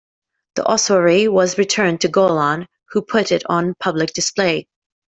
The ossuary was returned to Golan, who put it on public display.